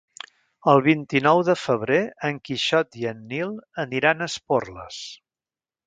El vint-i-nou de febrer en Quixot i en Nil aniran a Esporles.